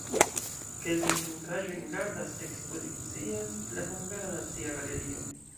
Kelkajn pentraĵojn gardas, ekspozicias la Hungara Nacia Galerio.